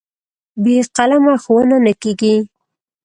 بې قلمه ښوونه نه کېږي.